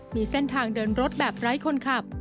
มีเส้นทางเดินรถแบบไร้คนขับ